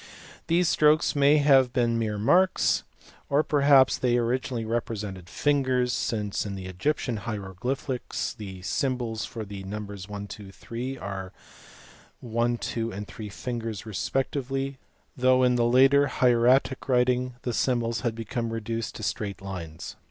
These strokes may have been mere marks; or perhaps they originally represented fingers, since in the Egyptian hieroglyphics the symbols for the numbers 1, 2, 3, are one, two, and three fingers respectively though in the later hieratic writing these symbols had become reduced to straight lines.